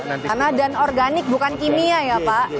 karena dan organik bukan kimia ya pak